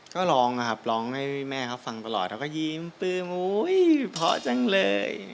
ก็ร้องนะครับร้องให้แม่เขาฟังตลอดเขาก็ยิ้มปลื้มเพราะจังเลย